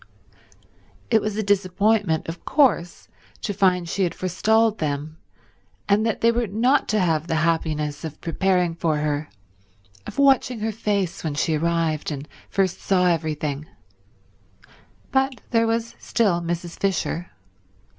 It was a disappointment, of course, to find she had forestalled them and that they were not to have the happiness of preparing for her, of watching her face when she arrived and first saw everything, but there was still Mrs. Fisher.